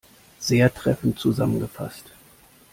Sehr treffend zusammengefasst!